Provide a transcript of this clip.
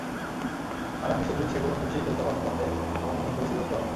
আর আমি শুধু সেগুলো মুছেই ফেলতে পারি যাতে আবার নতুন করে শুরু করতে পারো।